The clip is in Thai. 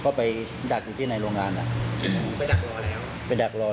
เขาไปดักอยู่ที่ในโรงงานอ่ะไปดักรอแล้วไปดักรอแล้วครับ